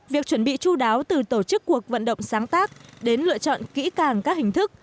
việc chuẩn bị chú đáo từ tổ chức cuộc vận động sáng tác đến lựa chọn kỹ càng các hình thức